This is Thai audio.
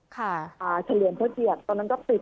ค่ะเฉลียนเพื่อเสียดตอนนั้นก็ติด